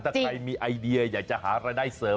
ถ้าใครมีไอเดียอยากจะหารายได้เสริม